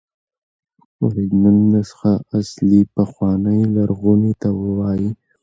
اوریجنل نسخه اصلي، پخوانۍ، لرغوني ته وایي.